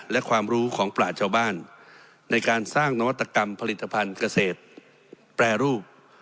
และความรู้ของปลาชาวบ้านในการสร้างนวัตกรรมผลิตภัณฑ์เกษตรแปรรูป